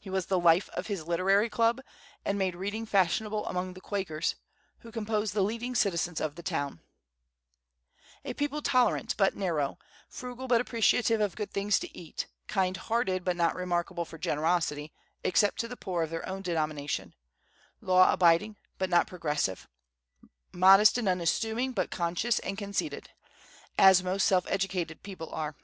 He was the life of his literary club, and made reading fashionable among the Quakers, who composed the leading citizens of the town, a people tolerant but narrow, frugal but appreciative of things good to eat, kind hearted but not remarkable for generosity, except to the poor of their own denomination, law abiding but not progressive, modest and unassuming but conscious and conceited, as most self educated people are.